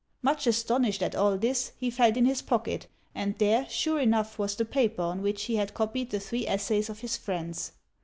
Much astonished at all this, he felt in his pocket, and there, sure enough, was the paper on which he had copied the three essays of his friends.